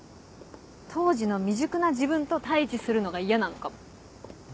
当時の未熟な自分と対峙するのが嫌なのかも。